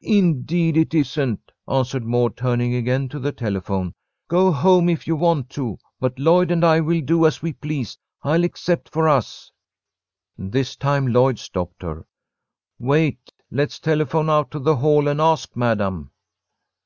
"Indeed it isn't," answered Maud, turning again to the telephone. "Go home if you want to, but Lloyd and I will do as we please. I'll accept for us." This time Lloyd stopped her. "Wait! Let's telephone out to the Hall and ask Madam."